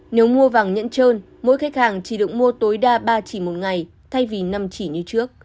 nếu mua vàng nhẫn trơn mỗi khách hàng chỉ được mua tối đa ba chỉ một ngày thay vì năm chỉ như trước